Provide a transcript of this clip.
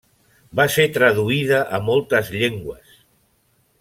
Va ser traduïda a moltes llengües.